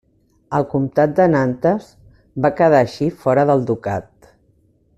El comtat de Nantes va quedar així fora del ducat.